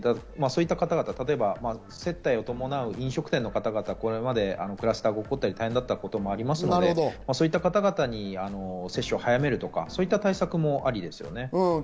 そういった方々、接待や伴う飲食店の方々、これまでクラスターが起こったり、大変だったこともありますので、そういった方に接種を早めるとか、そういった対策もありです。